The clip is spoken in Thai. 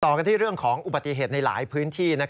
กันที่เรื่องของอุบัติเหตุในหลายพื้นที่